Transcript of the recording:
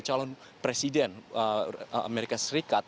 calon presiden amerika serikat